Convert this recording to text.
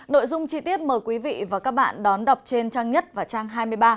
nội dung chi tiết mời quý vị và các bạn đón đọc trên trang nhất và trang hai mươi ba